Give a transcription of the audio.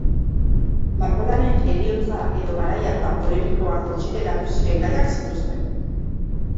Margolanek heriotza edo garai hartan polemikoak kontsideratu ziren gaiak zituzten.